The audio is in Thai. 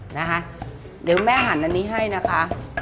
เดี๋ยวแม่หันอันนี้ให้นะคะ